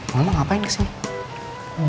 mama ngapain kesini